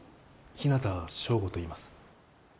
日向祥吾といいます